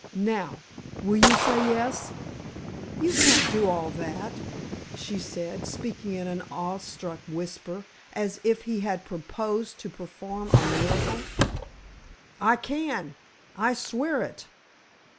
Now, will you say yes?" "You can't do all that," she said, speaking in an awestruck whisper, as if he had proposed to perform a miracle. "I can—I swear it!"